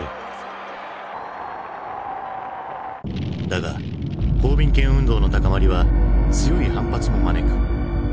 だが公民権運動の高まりは強い反発も招く。